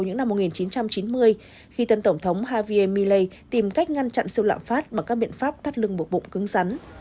những năm một nghìn chín trăm chín mươi khi tân tổng thống havie miley tìm cách ngăn chặn sự lạm phát bằng các biện pháp thắt lưng buộc bụng cứng rắn